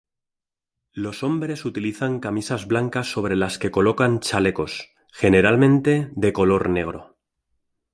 Los hombres utilizan camisas blancas sobre las que colocan chalecos, generalmente de color negro.